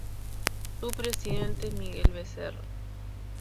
Su presidente es Miguel Becerra.